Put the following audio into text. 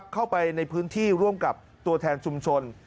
เข้าไปในพื้นที่ร่วมกับตัวแทนชุมชน